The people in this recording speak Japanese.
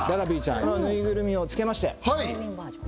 このぬいぐるみをつけましてハロウィン